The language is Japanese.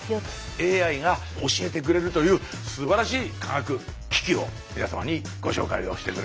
ＡＩが教えてくれるというすばらしい科学機器を皆様にご紹介をしてくれました。